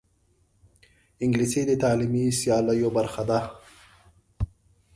انګلیسي د تعلیمي سیالیو برخه ده